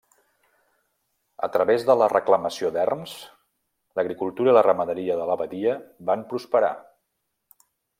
A través de la reclamació d'erms, l'agricultura i la ramaderia de l'abadia van prosperar.